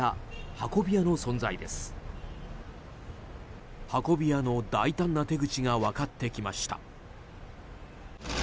運び屋の大胆な手口が分かってきました。